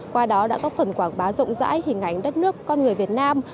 qua đó đã có phần quảng bá rộng rãi hình ảnh đất nước con người việt nam